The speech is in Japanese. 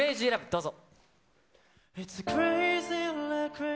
どうぞ。